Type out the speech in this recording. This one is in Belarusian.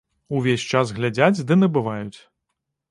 Увесь час глядзяць ды набываюць.